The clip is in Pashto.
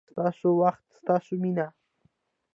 ستاسو وخت، ستاسو مینه